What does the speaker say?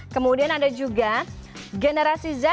kemudian ada juga generasi z